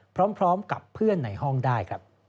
พร้อมกับเพื่อนในห้องได้ครับ